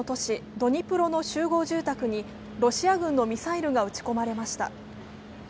ドニプロの集合住宅にロシア軍のミサイルが撃ち込まれました。